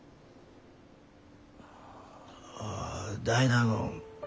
あ大納言。